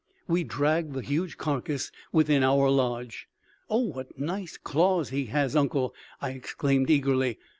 We dragged the huge carcass within our lodge. "Oh, what nice claws he has, uncle!" I exclaimed eagerly.